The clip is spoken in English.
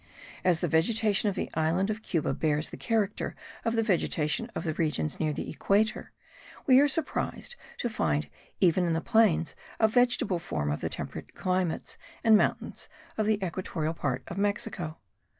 As the vegetation of the island of Cuba bears the character of the vegetation of the regions near the equator, we are surprised to find even in the plains a vegetable form of the temperate climates and mountains of the equatorial part of Mexico.